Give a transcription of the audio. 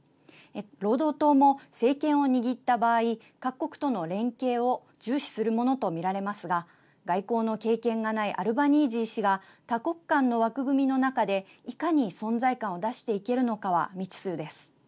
労働党も政権を握った場合各国との連携を重視するものとみられますが外交の経験がないアルバニージー氏が多国間の枠組みの中でいかに存在感を出していけるのかは未知数です。